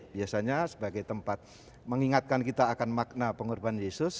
biasanya sebagai tempat mengingatkan kita akan makna pengorbanan yesus